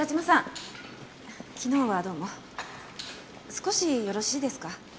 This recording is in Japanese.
少しよろしいですか？